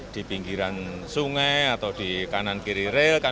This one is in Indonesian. di pinggiran sungai atau di kanan kiri rel